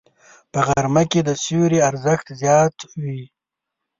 په غرمه کې د سیوري ارزښت زیات وي